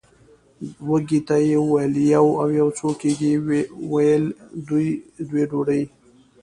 وږي ته یې وویل یو او یو څو کېږي ویل دوې ډوډۍ!